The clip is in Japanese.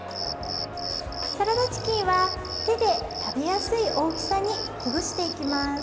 サラダチキンは手で食べやすい大きさにほぐしていきます。